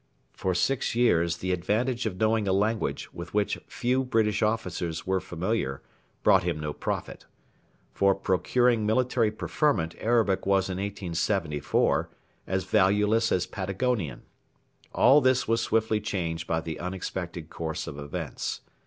For six years the advantage of knowing a language with which few British officers were familiar brought him no profit. For procuring military preferment Arabic was in 1874 as valueless as Patagonian. All this was swiftly changed by the unexpected course of events.